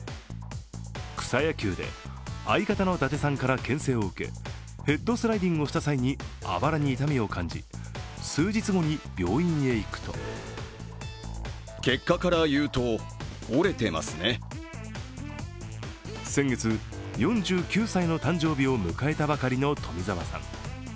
草野球で相方の伊達さんからけん制を受け、ヘッドスライディングをした際にあばらに痛みを感じ、数日後に、病院へ行くと先月４９歳の誕生日を迎えたばかりの富澤さん。